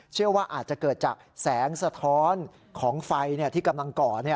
เชื่อว่าอาจจะเกิดจากแสงสะท้อนของไฟที่กำลังก่อ